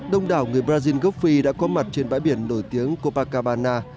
đông đảo người brazil gốc phi đã có mặt trên bãi biển nổi tiếng copacabana